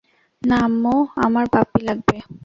না আম্মু, আমার পাপ্পি লাগবে।